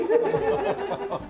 ハハハハ。